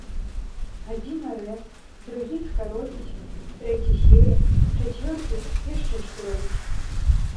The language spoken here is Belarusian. Адзін арэ, другі скародзіць, трэці сее, чацвёрты яшчэ што робіць.